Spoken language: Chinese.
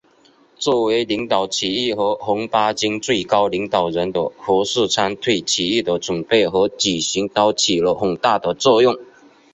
作为领导起义和红八军最高领导人的何世昌对起义的准备和举行都起了很大的作用。